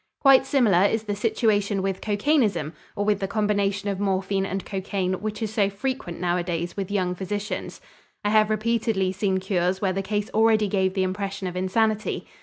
Quite similar is the situation with cocainism or with the combination of morphine and cocaine which is so frequent nowadays with young physicians. I have repeatedly seen cures where the case already gave the impression of insanity.